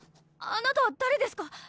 あなたは誰ですか？